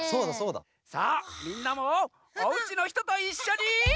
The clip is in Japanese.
さあみんなもおうちのひとといっしょに。